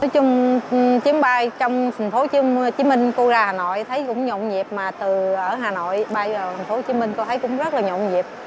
chiến bay trong tp hcm cô ra hà nội thấy cũng nhộn nhịp mà từ ở hà nội bây giờ tp hcm cô thấy cũng rất là nhộn nhịp